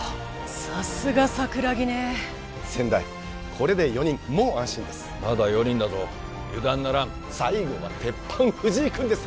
さすが桜木ね先代これで４人もう安心ですまだ４人だぞ油断ならん最後は鉄板藤井君です